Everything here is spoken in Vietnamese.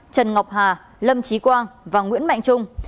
trần ngọc hà lâm trí quang và nguyễn mạnh trung